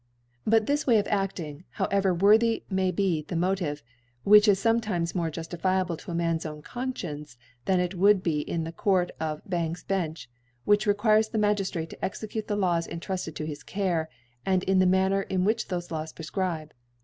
But this is a Way of aftii^, however worthy be the Motive, which is ibmetimes more juftifiable to a Man's own Confcience, than it would be in the Court cf King^s Bencb^ which requires the Magiftrate to execute the Laws entrufted to his Care, and in the Manner whkrh thofe Laws prefcribe.